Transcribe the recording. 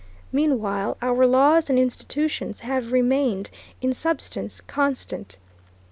Meanwhile our laws and institutions have remained, in substance, constant.